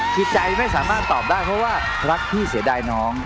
คือใจไม่สามารถตอบได้เพราะว่ารักพี่เสียดายน้อง